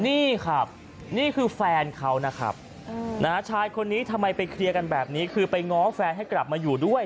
นี่ครับนี่คือแฟนเขานะครับชายคนนี้ทำไมไปเคลียร์กันแบบนี้คือไปง้อแฟนให้กลับมาอยู่ด้วย